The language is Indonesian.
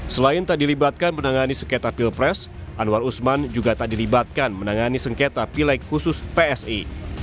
selain tak dilibatkan menangani sengketa pilpres anwar usman juga tak dilibatkan menangani sengketa pilek khusus psi